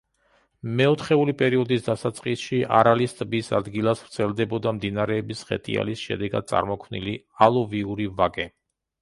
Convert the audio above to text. მეოთხეული პერიოდის დასაწყისში არალის ტბის ადგილას ვრცელდებოდა მდინარეების ხეტიალის შედეგად წარმოქმნილი ალუვიური ვაკე.